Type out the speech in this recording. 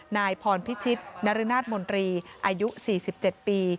นายพรพิชิตนรนาศมนตรีอายุ๔๗ปี